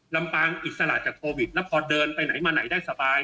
ลำปางอิสระจากโควิดแล้วพอเดินไปไหนมาไหนได้สบาย